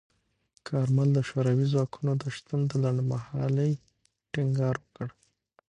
کارمل د شوروي ځواکونو د شتون د لنډمهالۍ ټینګار وکړ.